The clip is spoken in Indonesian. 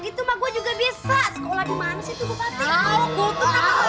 begitu mah gue juga bisa